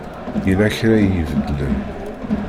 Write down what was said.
Yella kra i ibeddlen.